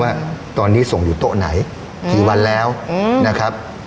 ว่าตอนนี้ส่งอยู่โต๊ะไหนกี่วันแล้วนะครับ